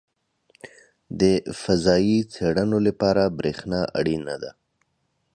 • د فضایي څېړنو لپاره برېښنا اړینه ده.